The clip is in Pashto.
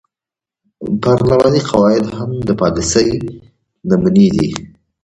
پارلماني قواعد هم د پالیسۍ نمونې دي.